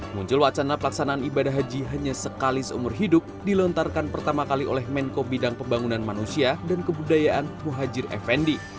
muncul wacana pelaksanaan ibadah haji hanya sekali seumur hidup dilontarkan pertama kali oleh menko bidang pembangunan manusia dan kebudayaan muhajir effendi